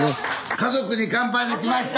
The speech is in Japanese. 「家族に乾杯」で来ました！